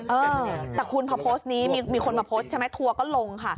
เออแต่คุณพอโพสต์นี้มีคนมาโพสต์ใช่ไหมทัวร์ก็ลงค่ะ